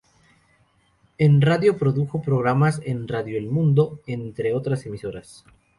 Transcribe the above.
En radio produjo programas en Radio El Mundo, entre otras emisoras.